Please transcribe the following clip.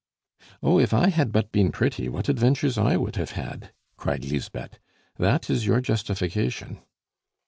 "Oh! if I had but been pretty, what adventures I would have had!" cried Lisbeth. "That is your justification."